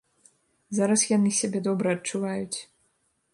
Зараз яны сябе добра адчуваюць.